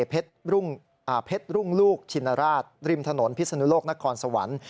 เพชรรุ่งลูกชินราชริมถนนพิศนุโลกนครสวรรค์